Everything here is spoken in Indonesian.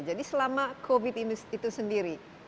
jadi selama covid itu sendiri